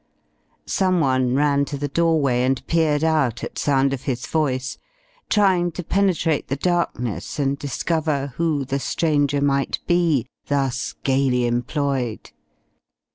Someone ran to the doorway and peered out at sound of his voice, trying to penetrate the darkness and discover who the stranger might be thus gaily employed.